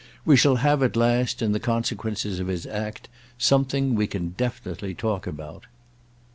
We shall have at last, in the consequences of his act, something we can definitely talk about."